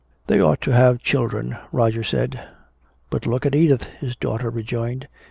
"They ought to have children," Roger said. "But look at Edith," his daughter rejoined.